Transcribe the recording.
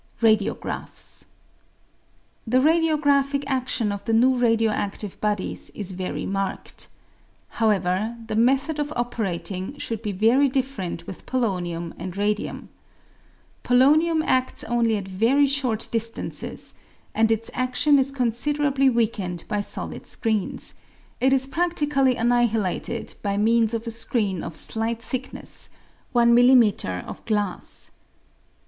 Radiographs. — The radiographic adion of the new radio active bodies is very marked. However, the method of operating should be very different with polonium and radium. Polonium ads only at very short distances, and its adion is considerably weakened by solid screens ; it is pradically annihilated by means of a screen of slight thick ness (I m.m. of glass).